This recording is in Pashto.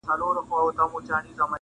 • خو هيڅ نه سي ويلای تل,